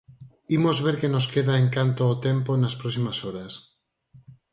Imos ver que nos queda en canto ao tempo nas próximas horas.